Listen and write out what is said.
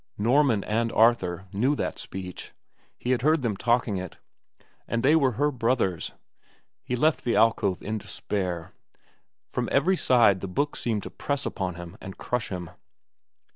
Norman and Arthur knew that speech. He had heard them talking it. And they were her brothers. He left the alcove in despair. From every side the books seemed to press upon him and crush him.